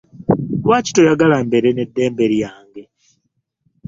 Lwaki toyagala mbeere n'eddembe lyange?